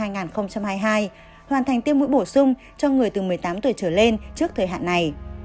hoàn thành tiêm mũi bổ sung cho người từ một mươi tám tuổi trở lên trước thời hạn này